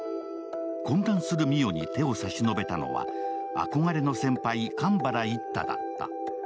混乱する澪に手を差し伸べたのは、あこがれの先輩、神原一太だった。